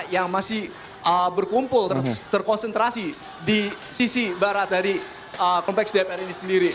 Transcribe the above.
yang masih berkumpul terkonsentrasi di sisi barat dari kompleks dpr ini sendiri